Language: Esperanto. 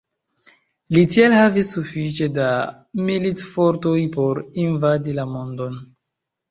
Li tiel havis sufiĉe da militfortoj por invadi la mondon.